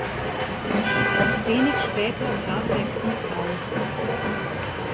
Wenig später brach der Krieg aus.